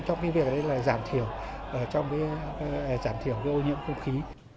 đó chính là giảm thiểu giảm thiểu cái ô nhiễm không khí